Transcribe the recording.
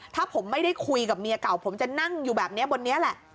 ถ้าผมไม่ได้คุยกับเมียเก่าผมจะนั่งอยู่แบบนี้บนนี้แหละ